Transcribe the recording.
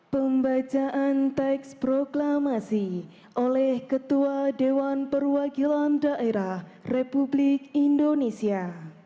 pembacaan teks proklamasi oleh ketua dewan perwakilan daerah republik indonesia